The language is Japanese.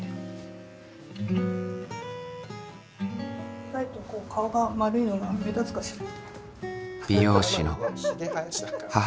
意外とこう顔が丸いのが目立つかしら。